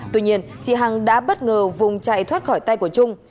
tuy nhiên chị hằng đã bất ngờ vùng chạy thoát khỏi tay của trung